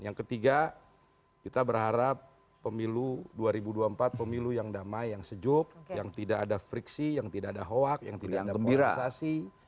yang ketiga kita berharap pemilu dua ribu dua puluh empat pemilu yang damai yang sejuk yang tidak ada friksi yang tidak ada hoak yang tidak ada